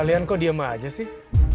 kalian kok diem aja sih